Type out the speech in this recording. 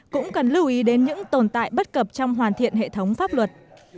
cũng cần lưu ý đến những tồn tại bất cập trong hoàn thiện hệ thống pháp luật